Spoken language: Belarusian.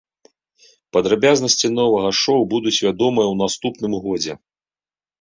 Падрабязнасці новага шоу будуць вядомыя ў наступным годзе.